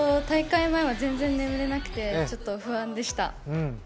大会前は全然眠れなくてちょっと不安でした。